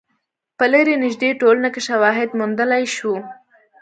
په لرې نژدې ټولنو کې شواهد موندلای شو.